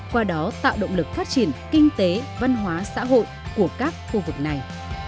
qua đó tạo động lực phát triển kinh tế văn hóa xã hội của các khu vực này